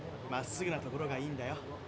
まっすぐなところがいいんだよ。